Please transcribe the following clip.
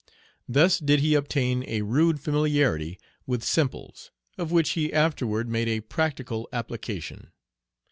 Thus did he obtain a rude familiarity with simples, of which he afterward made a practical application.